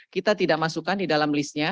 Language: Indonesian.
kita tidak masukkan di dalam listnya